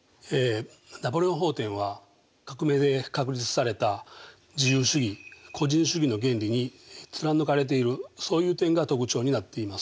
「ナポレオン法典」は革命で確立された自由主義個人主義の原理に貫かれているそういう点が特徴になっています。